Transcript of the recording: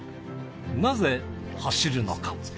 なぜ走るのか。